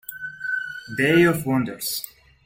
Day of wonders!